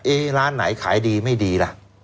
ร้านไหนขายดีไม่ดีล่ะ